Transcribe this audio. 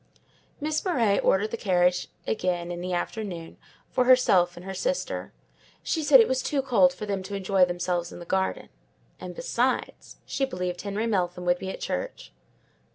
Miss Murray ordered the carriage again, in the afternoon, for herself and her sister: she said it was too cold for them to enjoy themselves in the garden; and besides, she believed Harry Meltham would be at church.